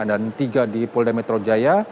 dan tiga di polda metro jaya